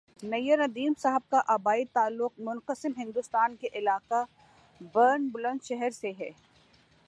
نیّرندیم صاحب کا آبائی تعلق منقسم ہندوستان کے علاقہ برن بلند شہر سے ہے